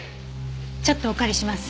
ちょっとお借りします。